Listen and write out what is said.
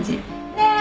ねえ？